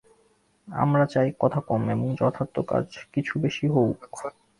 আমরা চাই কথা কম এবং যথার্থ কাজ কিছু বেশী হউক।